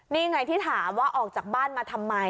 นี่ไงที่ถามว่าออกจากบ้านมาทำไม